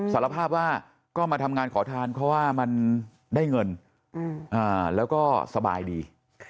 สารภาพว่าก็มาทำงานขอทานเพราะว่ามันได้เงินแล้วก็สบายดี